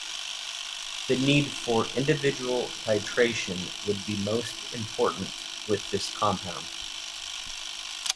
The need for individual titration would be most important with this compound.